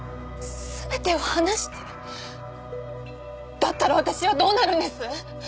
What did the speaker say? だったら私はどうなるんです？